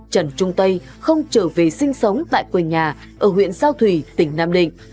trần trung tây không trở về sinh sống tại quê nhà ở huyện sao thủy tỉnh nam định